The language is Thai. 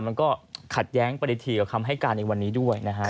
มันก็ขัดแย้งปฏิถีกับคำให้การในวันนี้ด้วยนะฮะ